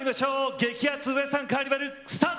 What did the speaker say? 激アツウエスタンカーニバルスタート！